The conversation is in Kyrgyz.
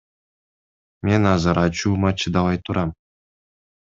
Мен азыр ачуума чыдабай турам.